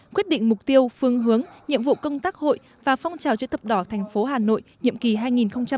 quyết định mục tiêu phương hướng nhiệm vụ công tác hội và phong trào chữ thập đỏ tp hà nội nhiệm kỳ hai nghìn một mươi sáu hai nghìn hai mươi một